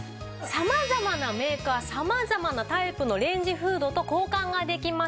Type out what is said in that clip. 様々なメーカー様々なタイプのレンジフードと交換ができます。